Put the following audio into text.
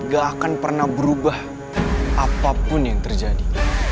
gak akan pernah berubah apapun yang terjadi